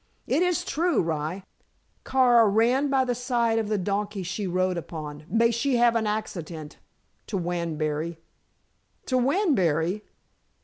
It is true, rye. Kara ran by the side of the donkey she rode upon may she have an accident to Wanbury." "To Wanbury?"